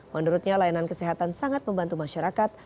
menurutnya layanan kesehatan sangat membantu masyarakat